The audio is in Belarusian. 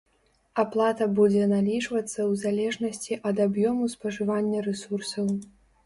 Аплата будзе налічвацца ў залежнасці ад аб'ёмаў спажывання рэсурсаў.